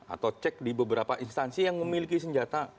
atau cek di beberapa instansi yang memiliki senjata